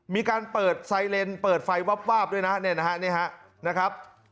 มีการเปิดไซเลนเปิดไฟวาบด้วยนะเนี่ยนะฮะนี่ฮะนะครับ